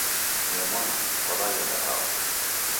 Mee mwana, kwaw'aghenda hao?